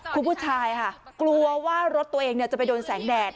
คุณผู้ชายค่ะกลัวว่ารถตัวเองจะไปโดนแสงแดด